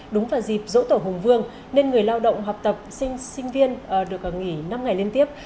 đúng vào dịp dỗ tổ hùng vương nên người lao động học tập sinh viên được nghỉ năm ngày liên tiếp